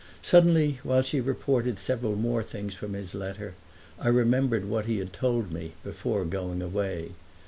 Suddenly, while she reported several more things from his letter, I remembered what he had told me before going away.